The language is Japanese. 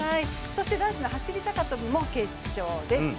そして男子の走高跳も決勝です。